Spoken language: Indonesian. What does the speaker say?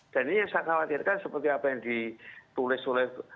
dan ini yang saya khawatirkan seperti apa yang ditulis di komentar ini